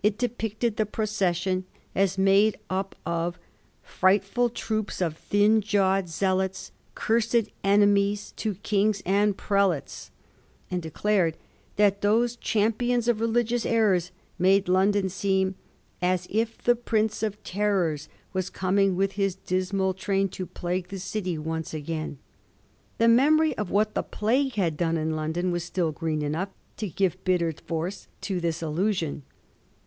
It depicted the procession as made up of — Frightful troops of thin jawed zealots, Gurs'd enemies to kings and prelates ; and declared that those ' champions of religious errors' made London seem As if the Prince of Terrors Was coming with his dismal train To plague the city once again. The memory of what the Plague had done in London was still green enough to give bitter force to this allusion.